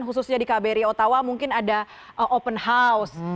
khususnya di kbri ottawa mungkin ada open house